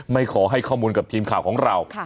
ขอให้ข้อมูลกับทีมข่าวของเรา